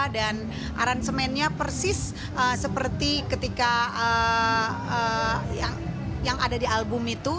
dan aransemennya persis seperti ketika yang ada di album